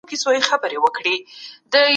ماشومان له خاورو او ګردونو وساتئ.